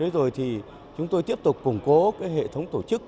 rồi chúng tôi tiếp tục củng cố hệ thống tổ chức